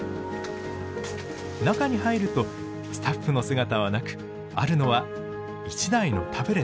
中に入るとスタッフの姿はなくあるのは１台のタブレット。